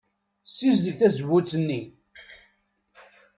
Ssizdeg tazewwut-nni.